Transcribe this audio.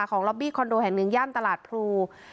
ล็อบบี้คอนโดแห่งหนึ่งย่านตลาดพลู